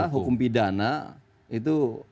hukum pidana itu